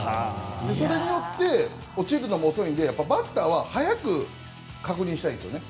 それによって落ちるのも遅いのでバッターは早く確認したいんですよね。